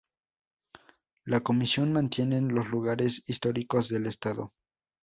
La comisión mantiene los lugares históricos del estado.